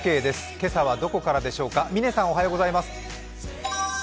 今朝はどこからでしょうか。